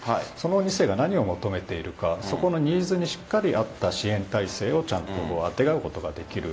２世が何を求めているかそこのニーズにしっかりあった支援体制をあてがうことができる。